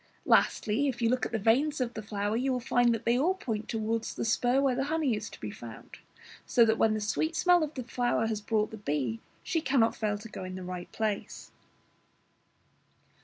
Lastly, if you look at the veins of the flower, you will find that they all point towards the spur where the honey is to be found, so that when the sweet smell of the flower has brought the bee, she cannot fail to go in at the right place.